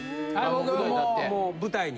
もう舞台に？